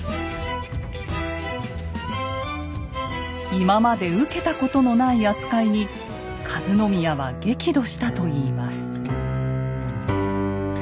今まで受けたことのない扱いに和宮は激怒したといいます。